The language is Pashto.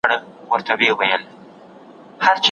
ایا پلار ستړی دی؟